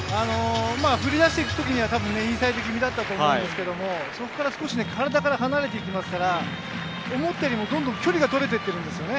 振りだした時にはインサイド気味だったと思うんですけど、そこから体から少し離れていきますから思ったよりも、どんどん距離が取れて行くんですよね。